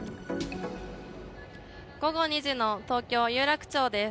午後２時の東京・有楽町です。